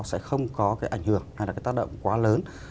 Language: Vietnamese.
sẽ không có cái ảnh hưởng hay là cái tác động quá lớn